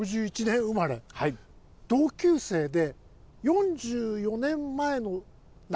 同級生で４４年前の夏。